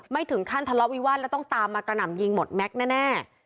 ไม่ถึงขั้นทะเลาะวิวาสแล้วต้องตามมากระหน่ำยิงหมดแม็กซ์แน่